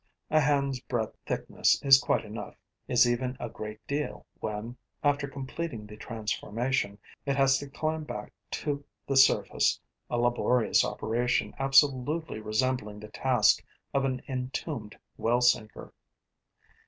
A hand's breadth thickness is quite enough, is even a great deal when, after completing the transformation, it has to climb back to the surface, a laborious operation absolutely resembling the task of an entombed well sinker.